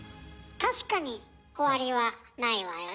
確かに終わりはないわよね